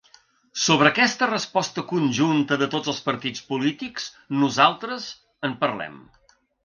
Sobre aquesta resposta conjunta de tots els partits polítics nosaltres, en parlem.